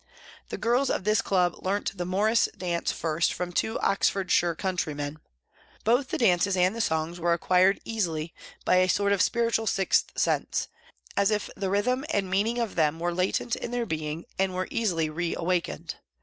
The girls of this club learnt the Morris dance first from two Oxfordshire countrymen. Both the dances and songs were acquired easily " by a sort of spiritual sixth sense," as if the rhythm and meaning of them were latent in their being and were easily re awakened.